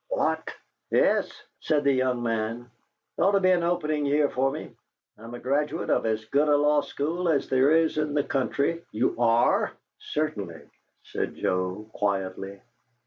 "What!" "Yes," said the young man. "There ought to be an opening here for me. I'm a graduate of as good a law school as there is in the country " "You are!" "Certainly," said Joe, quietly.